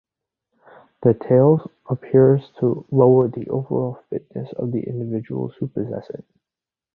The tail appears to lower the overall fitness of the individuals who possess it.